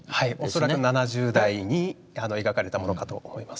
恐らく７０代に描かれたものかと思います。